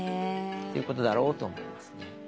ということだろうと思いますね。